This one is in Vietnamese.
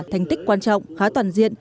thành tích quan trọng khá toàn diện